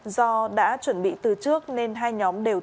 do đã chuẩn bị từ trước nên hai nhóm đều tự do